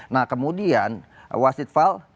nah kemudian wasid fal